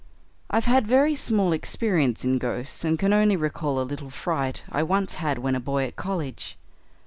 "I've had very small experience in ghosts, and can only recall a little fright I once had when a boy at college.